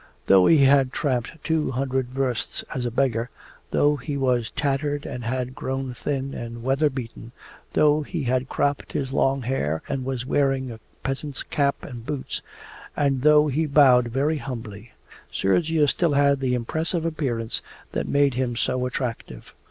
Though he had tramped two hundred versts as a beggar, though he was tattered and had grown thin and weatherbeaten, though he had cropped his long hair and was wearing a peasant's cap and boots, and though he bowed very humbly, Sergius still had the impressive appearance that made him so attractive.